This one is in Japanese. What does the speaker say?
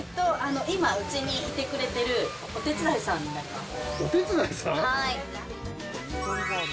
今、うちにいてくれてるお手伝いさんになります。